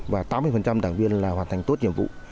và tám mươi đảng viên là hoàn thành tốt nhiệm vụ